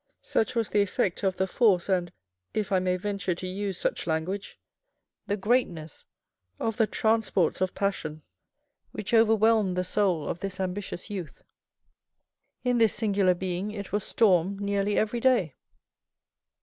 Such was the effect of the force and, if I may venture to use such language, the greatness of the transports of passion which overwhelmed the soul of this ambitious youth. In this singular being it was storm nearly every day.